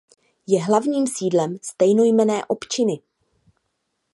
Je hlavním sídlem stejnojmenné opčiny.